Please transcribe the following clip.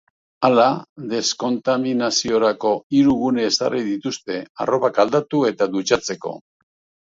Hala, deskontaminaziorako hiru gune ezarri dituzte, arropak aldatu eta dutxatzeko.